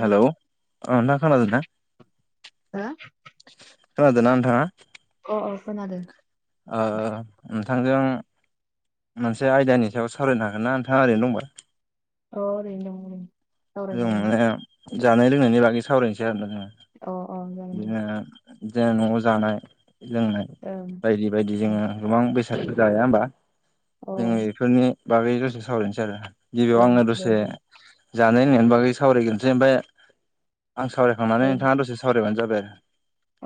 Hello ओ नोंथां खोनादों ना? हो खोनादोंना नोंथाङा? अ खोनादों। ओ नोंथांजों मोनसे आयदानि सायाव सावरायनो हागोन ना नोंथाङा ओरैनो दंबा। औ ओरैनो दं ओरैनो जों सावरायनो माने जानाय लोंनायनि बागै सावरायनोसै आरोना जोङो। हागोन दे अ जागोन बिदिनो जे न'आव जानाय लोंनाय दे बायदि बायदि ओं जोङो गोबां बेसाद जाया होनबा अ जोङो ओं बेफोरनि बागै दसे सावरायनोसै आरो गिबियाव आंनो दे दसे बुं जानाय होननायनि बागै सावरायगोन जे बे आं सावरायखांनानै नोंथाङा दसे जाबाय आरो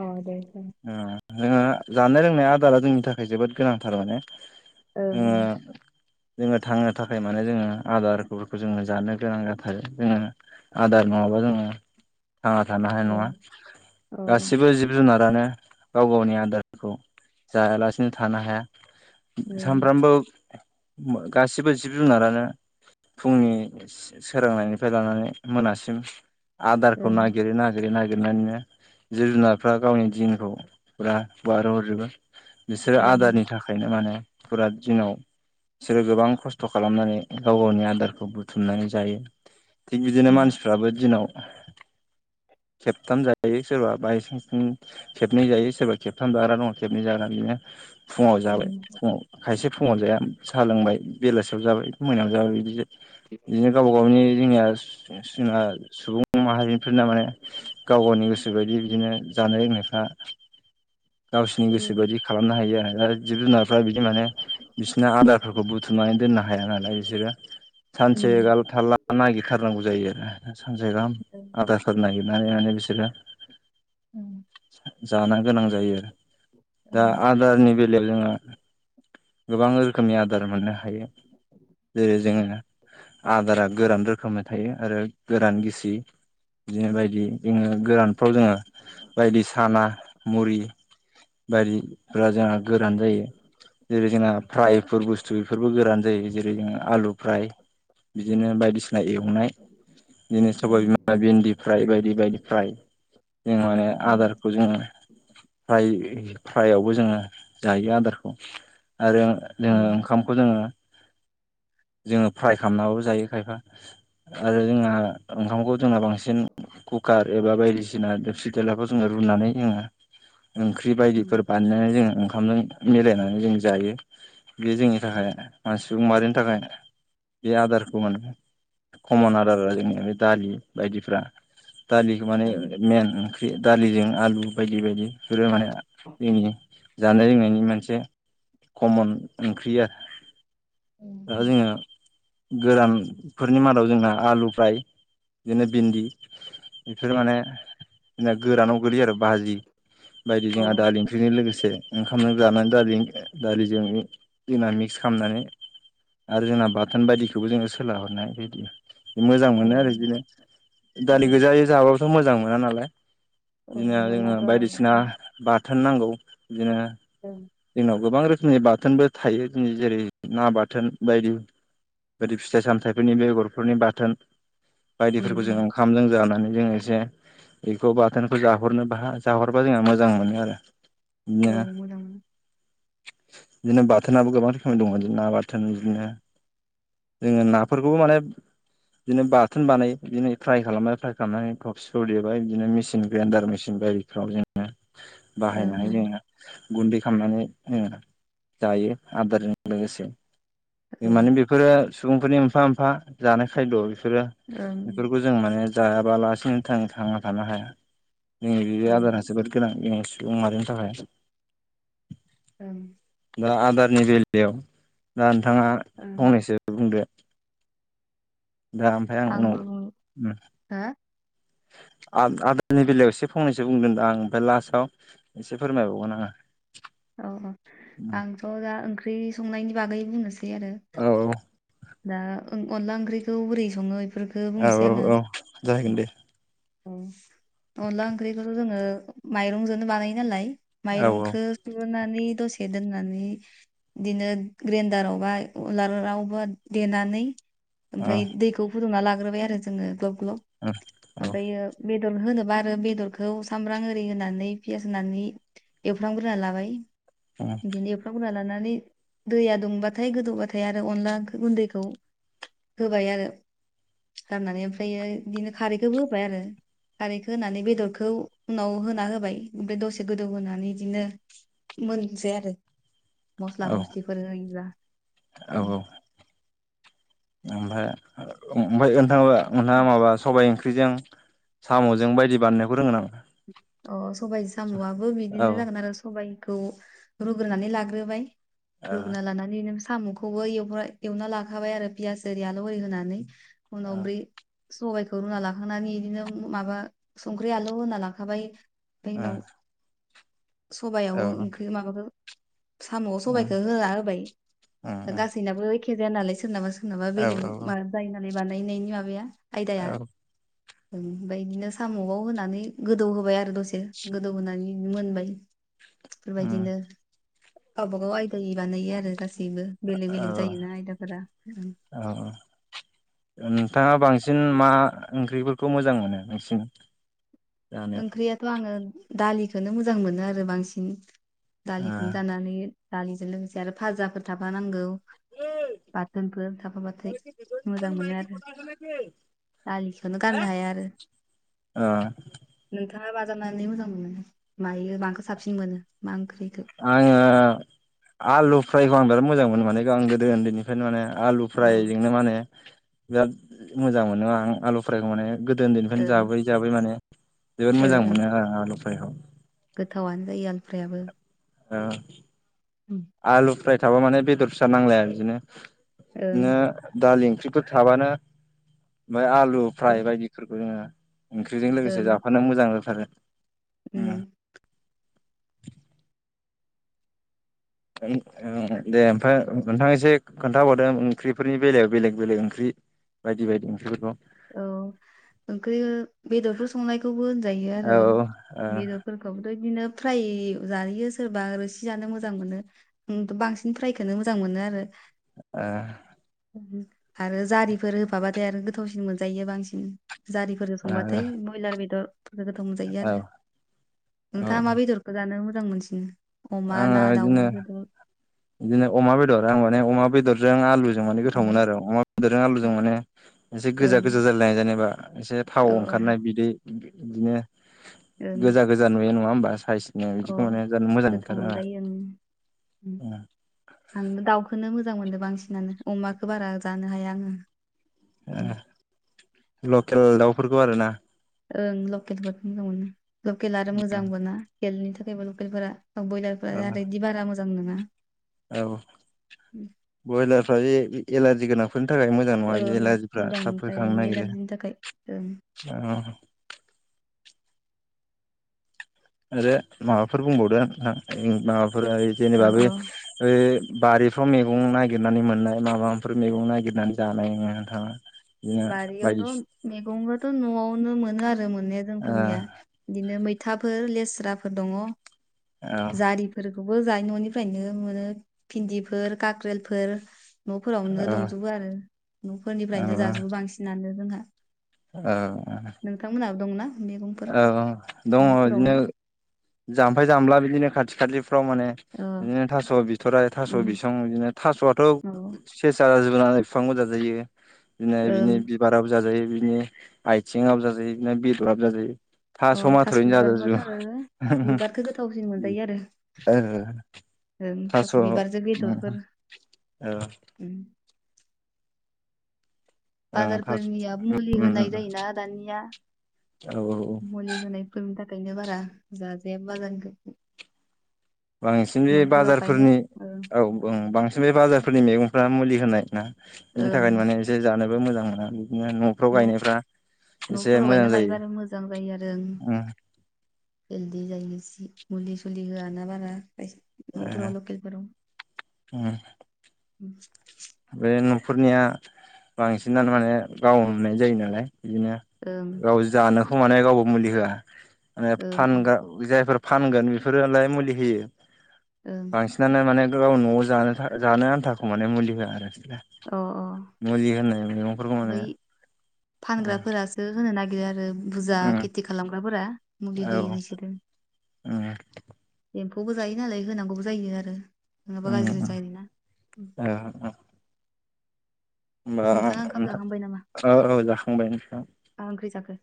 औ दे दे ओ जानाय लोंनाय आदारा जोंनि थाखाय जोबोद गोनांथार माने ओं [inaudible] जोङो थांनो थाखाय माने जोङो आदारफोरखौ जोङो जानो गोनां जाथारो जोङो आदार नङाब्ला जों थांना थानो हानाय नङा ओं ओं गासिबो जिब जुनार फोरानो गाव गावनि आदारखौ जायालासिनो थानो हाया अ सामफ्रामबो गासिबो जिब जुनारानो फुंनि सोरांनायनिफ्राय लानानै मोनासिम आदारखौ ओं नागिरै नागिरै नागिरनानैनो जिब जुनारफ्रा गावनि दिनखौ फुरा बारहोहरजोबो बिसोरो ओं ओं आदारनि थाखायनो माने फुरा दिनाव बिसोरो गोबां खस्थ' खालामनानै गाव गावनि आदारखौ बुथुमनानै जायो थिग बिदिनो उम उम मानसिफ्राबो दिनाव खेबथाम जायो सोरबा बायसान्स खेबनै जायो सोरबा खेबथाम जाग्रा दङ खेबनै जाग्रा बिदिनो फुङाव जाबाय फुङाव खायसे फुङाव जाया साहा लोंबाय बेलासियाव जाबाय मोनायाव जाबाय बिदि बिदिनो गावबा गावनि जोंनिया जों सुबुं माहारिफोरना माने गाव गावनि गोसोबायदि बिदिनो जानाय लोंनायफ्रा गावसोरनि गोसो बायदि खालामनो हायो आरो दा जिब जुनारफ्रा बिदि माने बिसिोरना आदारफोरखौ बुथुमनानै दोन दोननो हाया नालाय बिसोरो सानसेगाल थालला नागिरथारनांगौ जायो आरो सानसे गाहाम ओं आधार कार्ड नागिरनानै माने बिसोरो ओं जानो गोनां जायो आरो दा ओं आदारनि बेलायाव जोङो गोबां रोखोमनि आदार मोननो हायो जेरै जोङो आदारा गोरान रोखोमै थायो आरो गोरान गिसि बिदिनो बायदि जोङो गोरानफ्राव जोङो बायदि साना मुरि बारिफ्रा जोंहा गोरान जायो जेरै जोंना फ्रायफोर बुस्थु बेफोरबो गोरान जायो जेरै जों आलु फ्राय बिदिनो बायदिसिना एवनाय बिदिनो सबबाय ओं बिमा भिन्दि फ्राय बायदि बायदि फ्राय जों माने उम आदारखौ जों फ्राय फ्राइआवबो जोङो जायो आदारखौ आरो जोङो उम ओंखामखौ जोङो जोङो फ्राय खालामनाबो जायो खायफा आरो जोंहा ओंखामखौ जोंना बांसिन कुकार एबा बायदिसिनासि देलाखौ जों रुनानै जोङो ओंख्रि बायदिफोर उम बानायनानै जोङो ओंखामजों मिलायनानै जों जायो बे जोंनि थाखाय सुबुं माहारिनि थाखाय बे आदारखौ मोन कमन आदारा जोंनिया बे दालि बायदिफ्रा दालिखौ माने ओं उम अ मेइेन ओंख्रि दालिजों आलु बायदि बायदि फोर माने दि जानाय लोंनायनि मोनसे कमन ओंख्रि आरो दा जोङो गोरानफोरनि मादाव जोंना आलु फ्राय बिदिनो भिन्दि बेफोर माने गोरानाव गोल्लैयो आरो बाजि बायदि जोंहा दालि ओंख्रिजों लोगोसे एसे ओंखामनो जानानै दा दालिजों मिक्स खालामनानै आरो जोंना बाथोन बायदिखौबो जोङो सोलाहरनाय बायदि मोजां मोनो आरो ओं बिदिनो दालि ओं गोजायै जाबाबोथ' मोजां मोना नालाय औ बिदिनो जोङो मोनाथ' बायदिसिना बाथोन नांगौ बिदिनो ओं जोंनाव गोबां रोखोमनि बाथोनबो थायो जों जेरै ना बाथोन बाथोन बायदि बायदि फिथाइ सामथाइफोरनि बेगरफोरनि बाथोन उम बायदिफोरखौ जों ओंखामजों जानानै जोङो एसे बेखौ बाथोनखौ जाहरनो बा जाहरबा जोंहा मोजां मोनो आरो औ बिदिनो मोजां बिदिनो बाथोनाबो गोबां रोखोमनि दङ ना बाथोन बिदिनो जोङो नाफोरखौबो माने बिदिनो बाथोन बानाय बिदिनो फ्राय खालामबाय फ्राय खालामनानै थब सिफोर देबाय बिदिनो मेसिन ग्रेडार मेसिन आरिफ्राव जोङो ओं बाहायनानै जोङो गुन्दै खालामनानै जाङो जायो आदारजों लोगोसे ओं औ माने बेफोरो सुबुंफोरनि एफा मोनफा जानाय खायद'फोर बेफोरो ओं बेफोरखौ जों माने जायाबा लासिनो थांना थानो हाया जोंनि बे आदारा ओं जोबोद गोनां जोंनि सुबुं माहारिनि थाखाय ं [inaudible] दा आदारनि बेलायाव दा नोंथाङा ओं फंनैसो बुंदो दा ओमफ्राय आं आंबो बुं- उनाव हो [inaudible] आदोलनि बेलायाव एसे फंनैसो बुंगोन दां आं ओमफ्राय लास्टआव एसे फोरमायबावगोन आङो औ आंथ' दा ओंख्रि संनायनि बागै बुंनोसै औ औ [unintelligible] दा अनला ओंख्रिखौ बोरै सङो बेफोरखो औ बुंनोसै आङो औ औ जागोन दे अनला ओंख्रिखौथ' जोङो माइरंजोंनो बानाय नालाय औ माइरंखो सुग्रोनानै दसे दोननानै बिदिनो ग्रेन्दाराव बा उलारावबो देनानै ओमफ्राय दैखौ फुदुंना लाग्रोबाय आरो जोङो ग्लब औ औ ओमफाय बेद बेदर होनोबा आरो बेदरखौ सामब्राम आररि होनानै पियास होनानै एवफ्रामग्रोना लाबाय बिदिनो एवफ्राग्रोनान लानानै दैया दुंबाथाय गोदौबाथाय आरो अनला गुन्दैखौ होबाय आरो गाननानै ओमफ्रायो बिदिनो खारैखौबो होबाय आरो खारैखौ होनानै बेदरखौ उनाव होना होबाय ओमफ्राय दसे गोदौ होनोनानै बिदिनो मोननोसै आरो मस्ला औ मस्लिफोर होयोब्ला औ ओमफ्राय ओमफ्रायथाङा नोंथाङा माबा सबाइ इंख्रिजों साम'जों बायदि बानायनायखौ रोंगो नामा अ सबाय साम'आबो औ बिदिनो जागोन आरो सबायखौ रुग्रोनानै लाग्रोबाय रुग्रोना लानानानै नो साम'खौबो एव एवना लाखाबाय आरो पियास एरि आल' ओरि होनानै उनाव औ दै सबायाइखौ रुना लाखांनानै बिदिनो माबा संख्रि आलु होना लाखाबाय ओमफ्राय औ उनाव औ सबायाव उम ओंख्रि माबाफोर साम' उम सबायखौ होना होबाय दा उम गासैनाबो एखे जाया नालाय सोरनाबा सोर नाबा औ बेलेग औ माबा जायो नालाय बानायनायनि माबाया आयदाया औ ओमफ्राय बिदिनो साम'आव होनानै गोदौ होबाय आरो दसे गोदौ होनानै मोनबाय उम बेफोरबायदिनो गावबा गाव आयदायै बानायो आरो ना गासैबो बेलेग औ बेलेग जायोना आयदाफोरा औ जों मा ओंख्रिफोरखौ मोजां मोनो नोंसि ओंख्रियाथ' आङो दालिखोनो मोजां मोनो आरो बांसिन ओ दालिखौनो जानानै दालिजों लोगोसे आरो फाजाफोर थाफाानांगौ बाथोनफोर थाफाब्लाथाय मोजां मोनो आरो दालिखौनो गाननो हाया आरो ओ नोंथाङा मा जारनानै मोजां मोनो मायो माखौ साबसिन मोनो मा ओंख्रिखौ आङो आलु फ्रायखौ आं बिराद मोजां मोनो माने आं गोदो उन्दैनिफ्रायनो माने आलु अ ओं फ्रायजोंनो माने बिराद मोजां मोनो आं आलु फरायाइखौ माने गोदो उन्दैनिफ्रायनो जाबै ओ जाबै माने जोबोद मोजां मोनो आं आलुफ्रायखौ गोथावनो जायो आलुफ्रायाबो ओ ओं आलु फ्राय थाबा माने बेदर फिसा नांलाया बिदिनो ओं बिदिनो दालि ओंख्रिफोर थाबानो ओमफ्राय आलु फ्राय बायदिफोरखौ जोङो ओंख्रिजों लोगोसे ओं जाफानो मोजां जाथारो उम ओं ओं दे ओमफ्राय नोंथां एसे खोन्थाबावदो ओंख्रिफोरनि बेलायाव बेलेग बेलेग ओंख्रि बायदि बायदि ओंख्रिफोरखौ औ ओंख्रि बेदरफोर संनायखौबो होनजायो आरो औ औ बेदरफोरखौबोथ' बिदिनो‌ फ्राय जायो सोरबा रोसि जानो मोजां मोनो बांसिन फ्रायखोनो मोजां मोनो आरो ओ ओम। आरो जारिफोर होफाबाथाय आरो गोथावसिन मोनजायो बांसिन जारिफोर होखां बाथाय बयलार बेदर [inaudible] गोथाव मोनजायो औ आरो नोंथाङा औ मा बेदरखौ जानो मोजां मोनसिनो? अमा आङो ना दाउ बिदिनो बेदर औ बिदिनो अमा बेदर आं माने अमा बेदरजों आलु जों माने गोथाव मोनो आरो ओं अमा बेदरजों आलुजों माने मोनसे गोजा गोजा जालायनाय जेनेबा इसे थाव औ ओं ओंखारनाय बिदै बिदिनो ओं गोजा गोजा नुयो नङा होमबा? साइसनो बिदिखौ माने जानो मोजां औ‌ मोनथारो आरो मोनजायो ओं आंबो दाउखौनो मो मोजां मोनदो बांसिनानो अमाखो बारा जानो हाया आङो ओ लकेल दाउफोरखौ आरोना ओं लकेलफोरखौ मोजांमोनो। लकेल आरो मोजांबो ना हेल्थनि थाखायबो लकेलफोरा बयलारफोरा नाथाय बिदि बारा मोजां नङा औ बयलारफ्रा बे एलारजि गोनां फोरनो थाखाय मोजां नङा बे ओं एलजिफ्रा मोजां थाब नंखाया होखांनो इयो नागिरो एलारजिनि थाखाय ओं औ [inaudible] आरो माबाफोर बुंबावदों माबाफोर औ जेनेबा बे औ ओ बारिफ्राव मैगं नागिरनानै मोननाय माबाफोर मैगं नागिरनानै जानाङो नोंथाङा? बिदिनो बारियावथ' बायदिसिना मैगंबोथ' न'आवनो मोनो आरो आरो मोननाया औ जोंफोरनिया बिदिनो मैथाफोर लेस्राफोर दङ औ जारिफोर खौबो जोहानि न'निफ्रायनो मोनो भिन्दिफोर काक्रेलफोर न'फोरावनो दंजोबो आरो न'फोरनिफ्रायनो जाजोबो फिसिनानो जोंहा ओं ओं! नोंथांमोनहाबो दंना मैगंफोर औ औ दङ बिदिनो न'फोरावनो जाम्फै जामला बिदिनो खाथि खाथि फ्राव माने अ बिदिनो थास' बिथराइ थास' उम बिसं बिदिनो थास'आथ औ सेसा सुनानै फिफांबो जाजायो बिदिनो बिनि ओं बिबाराबो जाजायो बिदिनो आइथिङाबो जाजायो बिदिनो बेदराबो जाजायो अ थास' बिबारखौ थोरो उमहो ओं ओं। ओं थास' बिबारजों उम बेदरफोर औ। उम ओं थास' बाजारफोरनिया मुलि उम होनाय उम जायोना दानिया औ औ मुलि होनायफोरनि थाखायनो बारा जाजाया बाजारनिखो बांसिन बे बाजारफोरनि ओं औ ओं बांसिन बे बाजारफोरनि मैगं फ्रा मुलि होनाय ना बेनि ओं थाखायनो माने एसे जानोबो मोजां मोना बिदिनो न'फ्राव न' गायनायफ्रा एसे न'फोराव मोजां गायना जायो लायोबानो मोजां जायो आरो ओं उम हेलदि जायो जि मुलि सुलि होआ ना बारा न'फोराव लकेलफोराव ओं बे न'खरनिया बांसिनानो माने गाव हमनाय जायो नालाय बिदिनो गाव जानोखौ माने गावबो मुलि होआ माने ओं ओं फानग्रा जायफोर फानगोन बेफोरोलाय मुलि होयो ओं बांसिनानो माने गाव न'आव जानो जानो आन्थाखौ माने मुलि होआ आरोखि अ अ मुलि होना बै फानग्राफोरासो होनो नागिरो आरो बुजा खेथि खालामग्राफोरा मुलि होयो बिसोरो बेखौबो जायो नालाय होनांगौबो जायो आरो नङाबा गाज्रि जायोना? औ होमबा नोंथाङा ओंखाम नोथां जाखांबाय नामा ओ ओ जाखांबाय नोंथां। मा ओंख्रि जाखो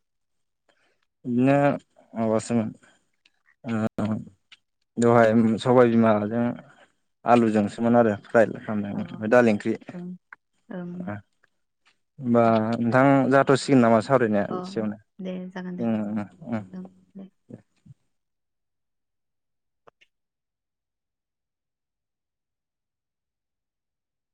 बिदिनो माबासोमोन ओ दहाय सबाय बिमाजों आलुजोंसोमोन आरो फ्राइ अ खालामनायमोन ओमफ्राइ दालि ओंख्रि ओं ओं होमबा नोंथां जाथ'सिगोन नामा? सावरायनाया अ एसेयावनो दे जागोन दे उ उ ओं दे